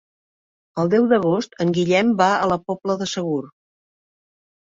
El deu d'agost en Guillem va a la Pobla de Segur.